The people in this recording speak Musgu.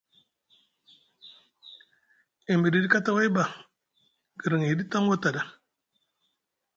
E miɗiɗi kataway ɓa guirŋiɗi taŋ wataɗa?